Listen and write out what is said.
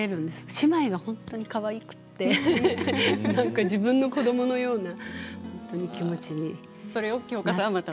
姉妹が本当にかわいくて自分の子どものような気持ちになります。